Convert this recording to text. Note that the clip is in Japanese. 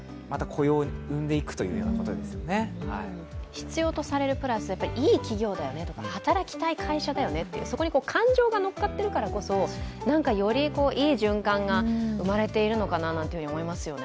必要とされるというのはいい企業というより働きたい会社だよねっていうそこに感情が乗っかっているからこそよりいい循環が生まれているのかななんていうふうに思いますよね。